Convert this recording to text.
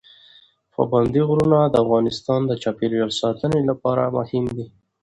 پابندی غرونه د افغانستان د چاپیریال ساتنې لپاره مهم دي.